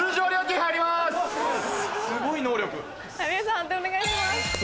判定お願いします。